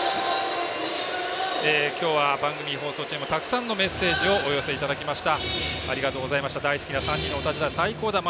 今日は番組放送中もたくさんのメッセージをお寄せいただきました。